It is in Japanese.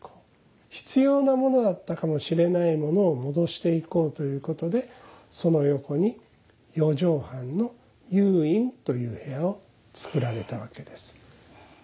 必要なものだったかもしれないものを戻していこうということでその横に四畳半の又隠という部屋を作られたわけです。